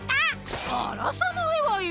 あらさないわよ！